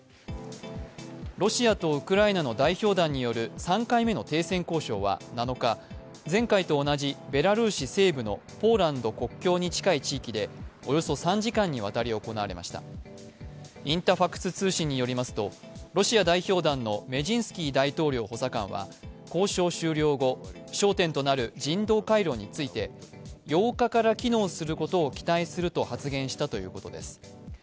ロシアとウクライナの代表団による３回目の停戦交渉は７日、前回と同じベラルーシ西部のポーランド国境に近い地域でおよそ３時間にわたり行われましたインタファクス通信によりますとロシア代表団のメジンスキー大統領補佐官は交渉終了後、焦点となる人道回廊について、８日から機能することを期待すると発言したということです。